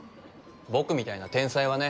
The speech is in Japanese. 僕みたいな天才はね